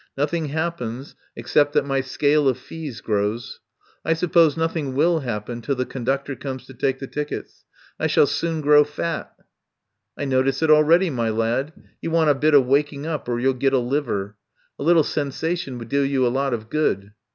"Nothing happens except that my 213 THE POWER HOUSE scale of fees grows. I suppose nothing will happen till the conductor comes to take the tickets. I shall soon grow fat." "I notice it already, my lad. You want a bit of waking up or you'll get a liver. A little sensation would do you a lot of good."